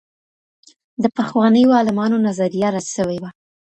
د پخوانيو عالمانو نظريه رد سوې وه.